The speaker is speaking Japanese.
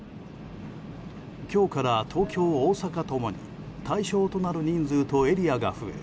今日から、東京、大阪共に対象となる人数とエリアが増え